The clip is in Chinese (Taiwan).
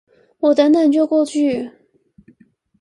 我等等就過去